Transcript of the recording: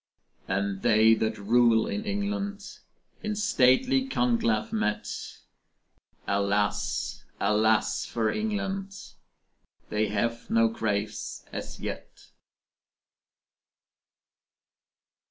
And they that rule in England, In stately conclave met, Alas, alas for England They have no graves as yet.